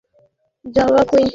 দিবা না তো যাবা কই?